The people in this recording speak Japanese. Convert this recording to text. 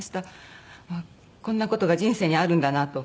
こんな事が人生にあるんだなと。